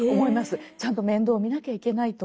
ちゃんと面倒を見なきゃいけないと。